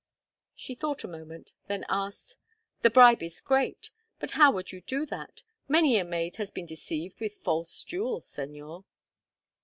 She thought a moment, then asked: "The bribe is great, but how would you do that? Many a maid has been deceived with false jewels, Señor."